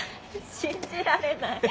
信じられない。